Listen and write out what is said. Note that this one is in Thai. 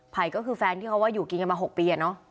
ก็คือแฟนที่เขาว่าอยู่กินกันมา๖ปี